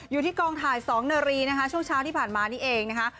อยู่ที่กองถ่าย๒นารีนะคะช่วงเช้าที่ผ่านมานี่เองนะคะ